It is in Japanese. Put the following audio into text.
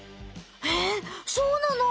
えそうなの？